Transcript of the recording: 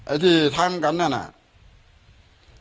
ไอ้ที่ทำเงินการเงินนั่นน่ะหรอก